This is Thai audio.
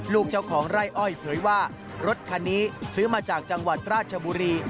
ลูกเจ้าของไร่อ้อยเผยว่ารถคันนี้ซื้อมาจากจังหวัดราชบุรี